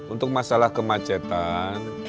untuk masalah kemacetan